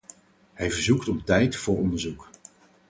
Hij verzoekt om tijd voor onderzoek.